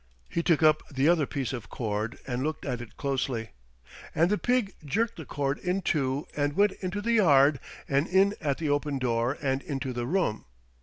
He took up the other piece of cord and looked at it closely. "And the pig jerked the cord in two and went into the yard and in at the open door and into the room.